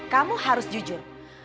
kamu harus jujur